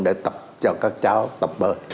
để tập cho các cháu tập bơi